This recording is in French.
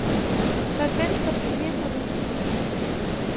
Sa tête s'appuyait au dossier.